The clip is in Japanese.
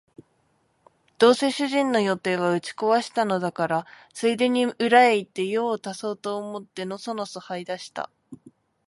どうせ主人の予定は打ち壊したのだから、ついでに裏へ行って用を足そうと思ってのそのそ這い出した